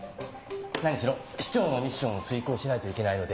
何しろ市長のミッションを遂行しないといけないので。